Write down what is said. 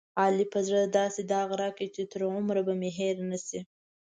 علي په زړه داسې داغ راکړ، چې تر عمره به مې هېر نشي.